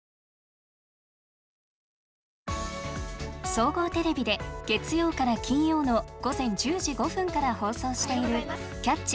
総合テレビで月曜から金曜の午前１０時５分から放送している「キャッチ！